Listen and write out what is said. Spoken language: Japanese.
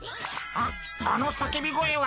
・あっあのさけび声は！